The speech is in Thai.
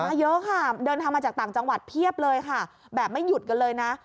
เยอะค่ะเดินทางมาจากต่างจังหวัดเพียบเลยค่ะแบบไม่หยุดกันเลยนะ